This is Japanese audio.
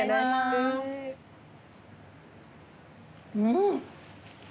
うん。